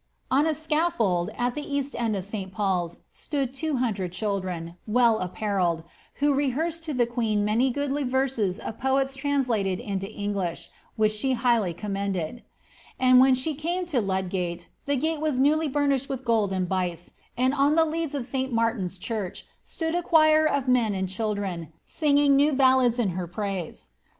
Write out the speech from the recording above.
On a scafic at the east end of St Paul's, stood two hundred children, well ap relied, who rehearsed to the queen many goodly verses of poets tra lated into English, which she highly commended^ And when she ca to Ludgate, the gate was newly burnished with gold and bice ; and the leads of St Martin's church stood a choir of men and childr singing new ballads in her praise.